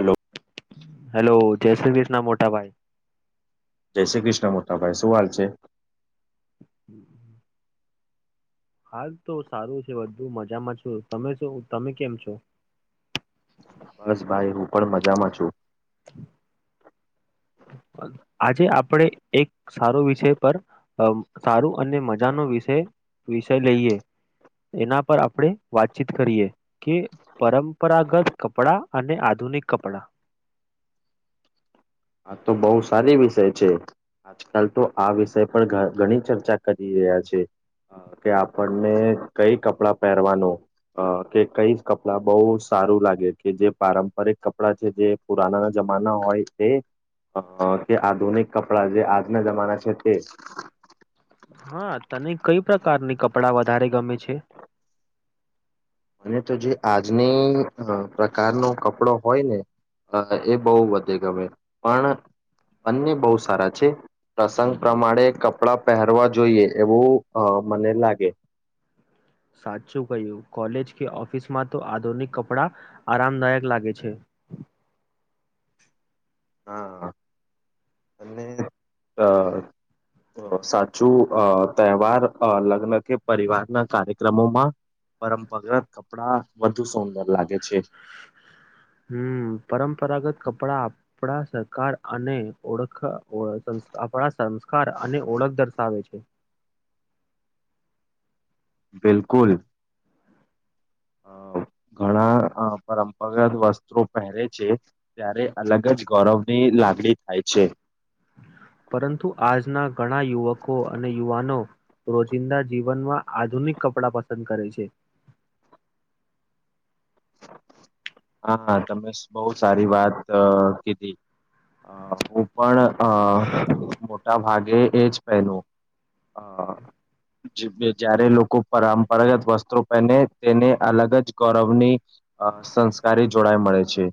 Hello hello જય શ્રી કૃષ્ણ મોટાભાઈ જય શ્રી કૃષ્ણ મોટાભાઈ શું હાલ છે હમ હાલ તો સારું છે વધુ મજામાં છો તમે શું તમે કેમ છો [inaudible] બસ ભાઈ હું પણ મજામાં છું [unintelligible] આજે આપડે એક સારો વિષય પર સારું અને મજાનો વિષય વિષય લઈએ એના પર આપણે વાતચીત કરીએ કે પરંપરાગત કપડા અને આ આધુનિક કપડા હા તો બહું સારી વિષય છે આજકાલ તો આ વિષય પર ઘણી ચર્ચા કરી રહ્યા છે કે આપણને કઈ કપડાં પહેરવાનું અ કે કઈ કપડાં બહુ સારું લાગે કે જે પારંપરિક કપડાં છે જે પુરાના જમાના હોય તે કે આધુનિક કપડાં જે આજના જમાના છે તે હા તને કઈ પ્રકારની કપડાં વધારે ગમે છે અને તો જે આજની પ્રકારનો કપડો હોય ને અ એ બહુ વધે ગમે પણ અને બહુ સારા છે પ્રસંગ પ્રમાણે કપડાં પહેરવા જોઈએ એવું મને લાગે [inaudible] સાચું કહ્યું કોલેજ કે ઓફિસમાં તો આધુનિક કપડા આરામદાયક લાગે છે [inaudible] હા અને અ સાચું અ તહેવાર લગ્ન કે પરિવાર ના કાર્યક્રમોમાં પરંપરાગત કપડા વધુ સુંદર લાગે છે હમ પરંપરાગત કપડા આપણા સકાર અને ઓળખ આપણા સંસ્કાર અને ઓળખ દર્શાવે છે [inaudible] બિલકુલ ઘણા પરંપરા અ વસ્ત્રો પહેરે છે ત્યારે અલગ જ ગૌરવની લાગણી થાય છે પરંતુ આજના ઘણા યુવકો અને યુવાનો રોજિંદા જીવનમાં આધુનિક કપડા પસંદ કરે છે હા તમે બહુ સારી વાત કીધી અ હું પણ અ મોટા ભાગે એ જ પહેરુ હ જયારે લોકો પરંપરાગત વસ્તુ પહેરેને તેને અલગ જ ગૌરવની અ સંસ્કારી જોડાય મળે છે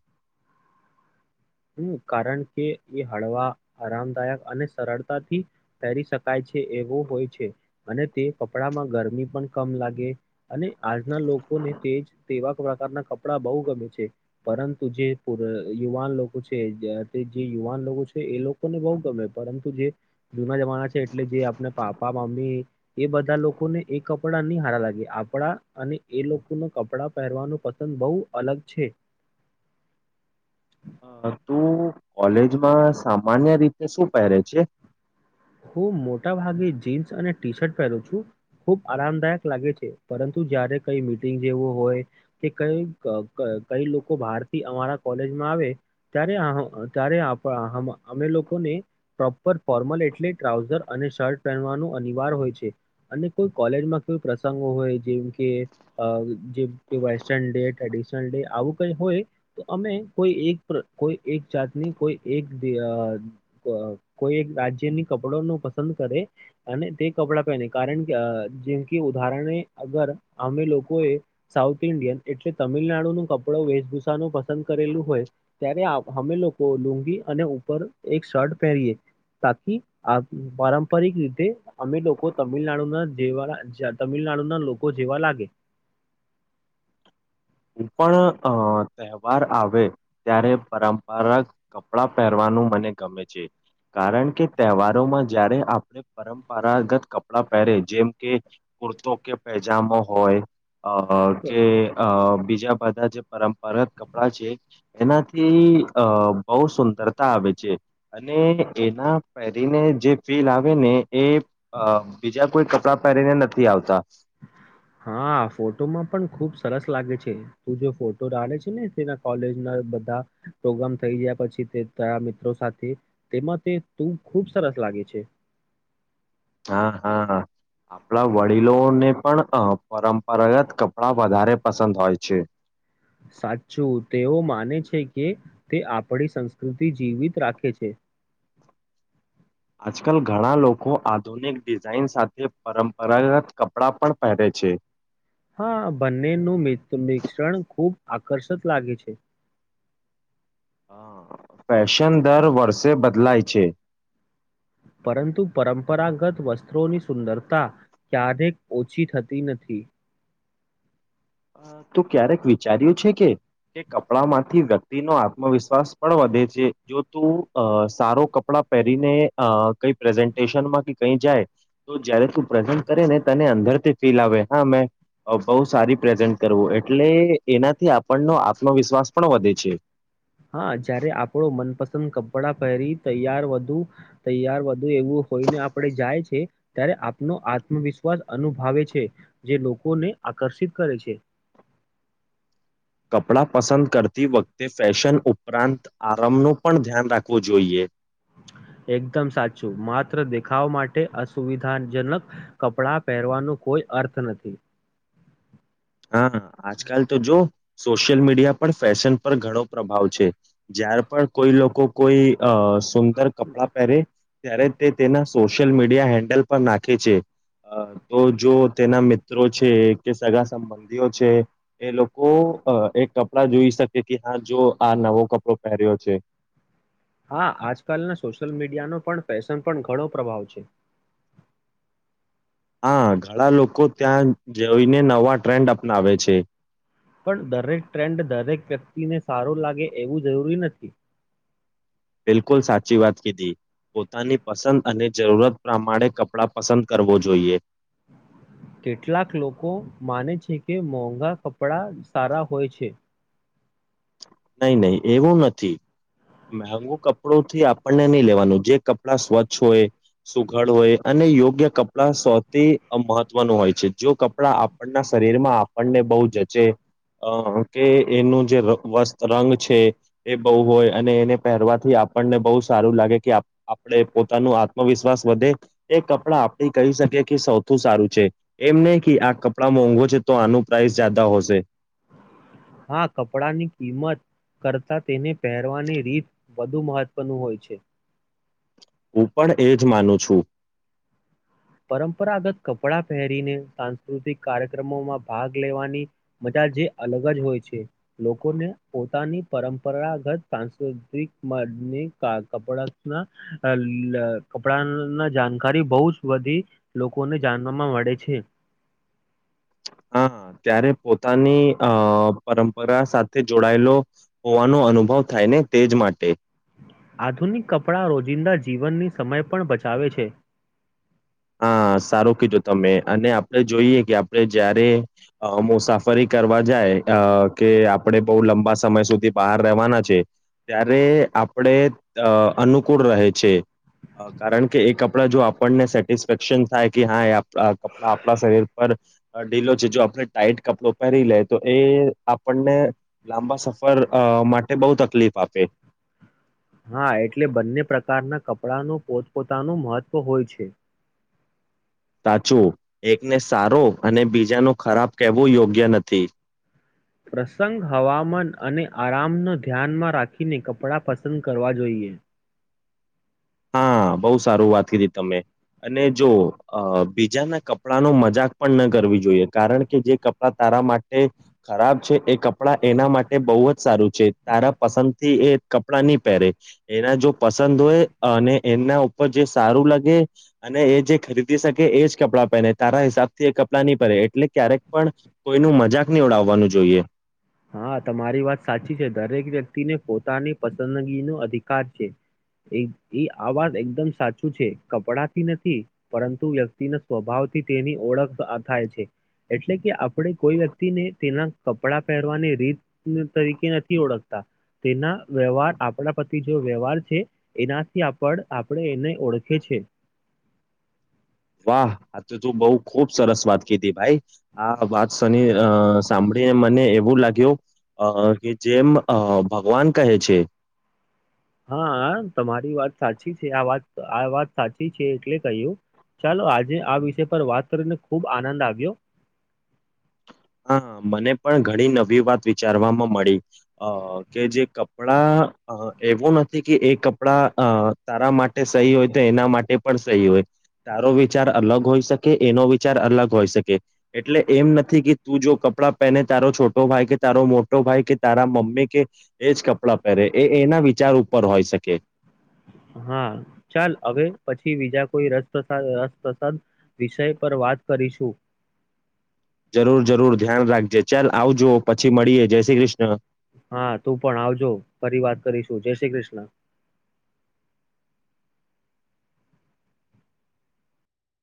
હમ કારણ કે એ હળવા આરામદાયક અને સરળતાથી પહેરી શકાય છે એવો હોય છે અને તે કપડામાં ગરમી પણ કમ લાગે અને આજના લોકો ને તે તેવા પ્રકારના કપડા બહુ ગમે છે પરંતુ જે યુવાન લોકો છે જે યુવાન લોકો છે એ લોકોને બહુ ગમે પરંતુ જે જૂના જમાના છે એટલે આપ પાપા મમ્મી એ બધા લોકોને એ કપડા નહી હારા લાગે આપડા અને એ લોકો ને કપડા પહેરવાનું પસંદ બહુ અલગ છે અ તું કોલેજમાં સામાન્ય રીતે શું પહેરે છે હું મોટા ભાગે જીન્સ અને ટી શર્ટ પહેરું છું ખુબ આરામદાયક લાગે છે પરંતુ જયારે કઈ મીટિંગ જેવું હોય કે કઈ કઈ લોકો બાર થી અમારા કોલેજમાં આવે ત્યારે અમે લોકોને પ્રોપર ફોર્મલ એટલે ટ્રાઉઝર અને શર્ટ પહેનવાનું અનિવાર હોય છે અને કોઈ કોલેજમાં કોઈ પ્રસંગો હોય જેમ કે કે જેમ વેસ્ટન ડે ટ્રેડિશનલ ડે આવું કઈ હોય તો અમે કોઈ એક કોઈ એક જાતની કોઈ એક કોઈ એક રાજ્યની કપડા નુ પસંદ કરે અને તે કપડા પહેને કારણ કે જેમ કે ઉદાહરણે અગર અમે લોકો એ સાઉથ ઇન્ડિયન એટલે તમિલનાડુ નું કપડો વેશભૂષા ન પસંદ કરેલું હો ત્યારે અમે લોકો લુંગી અને ઉપર એક શર્ટ પહેરીએ બાકી આ પારંપરિક રીતે અમે લોકો તમિલનાડુના જેવા તમિલનાડુના લોકો જેવા લાગે હું પણ અ તહેવાર આવે ત્યારે પરંપરાગ કપડા પહેરવાનું મને ગમે છે કારણ કે તહેવારોમાં જયારે આપણે પરંપરાગત કપડા કપડા પહેરે જેમ કે કુર્તો કે પૈજામો હોય અ કે અ બી બીજા બધા જે પરંપગત કપડા છે એનાથી અ બહુ સુંદરતા આવે છે અને એના પહેરીને જે ફીલ આવે ને એ અ બીજા કોઈ કપડાં પહેરીને નથી આવતા હા ફોટોમાં પણ ખુબ સરસ લાગે છે તું ફોટો રાડે છે ને તેના કોલેજ ના બધા પ્રોગ્રામ થાય ગયા પછી તે તાર મિત્રો સાથે તેમાં તે તું ખુબ સરસ લાગે છે [inaudible] હા હા આપણા વડીલોને પણ અ પરંપરાગત કપડા વધારે પસંદ હોય છે સાચું તેઓ માને છે કે તે આપણી સંસ્કૃતિ જીવિત રાખે છે [inaudible] આજકાલ ઘણા લોકો આધુનિક ડિઝાઇન સાથે પરંપરાગત કપડાં પણ પહેરે છે છે હા બંનેનું મ મિશ્રણ ખૂબ આકર્ષક લાગે છે અ ફેશન દર વર્ષે બદલાય છે પરંતુ પરંપરાગત વસ્ત્રોની સુંદરતા ક્યારેક ઓછી થતી નથી [inaudible] તું ક્યારેક વિચાર્યું છે કે કપડા માંથી વ્ય વ્યક્તિ નો આત્મવિશ્વાસ પણ વધે છે જો તું સારો કપડા પહેરીને અ કઈ પ્રેઝન્ટેશનમાં કે કઈ જાય તો જયારે તું પ્રેઝન્ટ કરે ને તને અંદરથી ફીલ આવે હા મે બહુ સારી પ્રેઝન્ટ કરવું એટલે એનાથી આપણનો આત્મવિશ્વાસ પણ વધે છે હા જય્યારે આપણો મનપસંદ કપડાં કપડા પહેરી તૈયાર વધુ તૈયાર વધુ એવું હોઈને આપડે જાય છે ત્યારે આપનો આત્મવિશ્વાસ અનુભવે છે જે લોકોને આકર્ષિત કરે છે [inaudible] કપડાં પસંદ કરતી વખતે ફેશન ઉપર ઉપરાંત આરંમ ન પણ ધ્યાન રાખવું જોઈએ એકદમ સાચું માત્ર દેખાવ માટે અસુવિધાજનક કપડા પહેરવાનું કોઈ અર્થ નથી હા, આજકાલ તો જો સોશિયલ મીડિયા પર ફેશન પર ઘણો પ્રભાવ છે. જ્યારે પણ કોઈ લોકો કોઈ અ સુંદર કપડાં પહેરે, ત્યારે તે તેના સોશિયલ મીડિયા હેન્ડલ પર નાખે છે. અ તો જો તેના મિત્રો છે કે સગા સંબંધીઓ છે, એ લોકો એક કપડાં જોઈ શકી કે, હા, જો આ નવો કપડો પહેર્યો છે. હા, આજકાલના સોશિયલ મીડિયાનો પણ ફેશન પણ ઘણો પ્રભાવ છે. હા, ઘણા લોકો ત્યાં જઈને નવા ટ્રેન્ડ અપનાવે છે‌. પણ દરેક ટ્રેન્ડ દરેક વ્યક્તિને સારું લાગે એવું જરૂરી નથી. બિલકુલ, સાચી વાત કીધી. પોતાની પસંદ અને જરૂરત પ્રમાણે કપડાં પસંદ કરવો જોઈએ. કેટલાક લોકો માને છે કે મોંઘા કપડા. કપડા સારા હોય છે. નહીં, નહી, એવું નથી. મોધુ કપડું થી આપણને નહીં લેવાનું, જે કપડા સ્વચ્છ હોય, સુઘડ હોય, અને યોગ્ય કપડા સૌથી મહત્વનું હોય છે. જો કપડા આપણના શરીર માં આપણને બહુ જચે. અ કે એનું જે વસ રંગ છે, એ બહુ હોય અને એને પહેરવાથી આપણને બહુ સારું લાગે કે. આપણે પોતાનું આત્મવિશ્વાસ વધે, એ કપડાં આપડી કહી શકીએ કે સૌથી સારું છે. એમને કે, આ કપડાં મોંઘો છે, તો આનું પ્રાઇસ જ્યાદા હશે. હા, કપડા ની કિંમત કરતાં તેને પહેરવાની રીત વધુ મહત્વનું હોય છે. હું પણ એ જ માનું છું. પરંપરાગત કપડા પહેરીને સાંસ્કૃતિક કાર્યક્રમોમાં ભાગ લેવાની મજા. જે અલગ જ હોય છે. લોકોને પોતાની પરંપરાગત, સાંસ્કૃતિક કપડાં ના કપડાં ના જાણકારી બહુ જ વધી લોકોને જાણવામાં મળે છે. હા, ત્યારે પોતાની અ પરંપરા સાથે જોડાયેલો હોવાનો અનુભવ થાય ને, તેજ માટે. આધુનિક કપડાં રોજિંદા જીવનની સમય પણ બચાવે છે. હા, સારું કીધું. તમે અને આપડે જોઈએ કે આપણે જયારે. અ મુસાફરી કરવા જાય, અ કે આપડે બઉ લંબા સમય સુધી બહાર રહેવાના છે, ત્યારે આપણે અનુકૂળ રહે. છે, કારણ કે એ કપડા જો આપણને સે રક્ષણ થાય કે, હા, એ કપડા આપણા શરીર પર ઢીલો છે. જો આપણે ટાઈટ કપડો પહેરી તો એ આપણને લાંબા સફર અ માટે બહુ તકલીફ આપે. હા, એટલે બંને પ્રકારના કપડાનું પોતપોતાનું મહત્વ હોય છે. સાચું એકને સારો અને બીજાનું ખરાબ કહેવું યોગ્ય નથી. પ્રસંગ, હવામાન અને- આરામનો ધ્યાનમાં રાખીને કપડાં પસંદ કરવા જોઈએ. હા, બહુ સારું વાત કીધી તમે. અને, જો બીજાના કપડાનો મજાક પણ ન કરવી જોઈએ, કારણ કે જે કપડાં. આપરા માટે ખરાબ છે, એ કપડાં એના માટે બહુ જ સારું છે. તારા પસંદ થી એ કપડાં નહીં પહેરે. એના જો પસંદ હોય. અને એના ઉપર જે સારું લાગે અને એ જે ખરીદી શકે, એજ કપડાં પહેરે. તારા હિસાબ થી એ કપડાં નહીં પહેરે, એટલે ક્યારેક પણ કોઈનુ મજાક નહી ઉડાવવાનું જોઈએ. હા, તમારી વાત સાચી છે. દરેક વ્યક્તિને પોતાની પસંદગીનો અધિકાર છે. એ આ વાત એકદમ સાચું છે. કપડાથી નથી, પરંતુ વ્યક્તિ ના સ્વભાવથી તેની ઓળખ થાય છે એટલે કે આપણે કોઈ વ્યક્તિને તેના કપડા પહેરવાની રીત તરીકે નથી ઓળખતા તેના વ્યવહાર આપણા પ્રતી જેવો વ્યવહાર છે એનાથી આપ આપણે એને ઓળખે છે વાહ આ તો તું બઉ ખુબ સરસ વાત કીધી ભાઈ આ વાત [unintelligible] સાંભળીને મને એવું લાગ્યું અ કે જેમ અ ભગવાન કહે છે હા તમારી વાત સાચી છે આ વાત આ વાત સાચી છે એટલે કહ્યું ચાલો આજે આ વિષય પર વાત કરીને ખુબ આનંદ આવ્યો હા મને પણ ઘણી નવી વાત વિચારવામાં મળી કે જે કપડા એવું નથી કે એ કપડા અ તારા માટે સહી હોય તો એના માટે પણ સહી હોય તારો વિચાર અલગ હોઈ શકે એનો વિચાર અલગ હોઈ શકે એટલે એમ નથી કે તું જો કપડાં પહેને તારો છોટો ભાઈ કે તારો મોટો ભાઈ કે તારા મમ્મી કે એજ કપડાં પહેરે એ એના વિચાર ઉપર હોય શકે હા ચાલ હવે પછી બીજા કોઈ રસપ્ર રસપ્રસાદ વિષય પર વાત કરીશું જરૂર જરૂર ધ્યાન રાખજે ચાલ આવજો પછી મળીએ જય શ્રી કૃષ્ણ હા તું પણ આવજો ફરી વાત કરીશું જય શ્રી કૃષ્ણ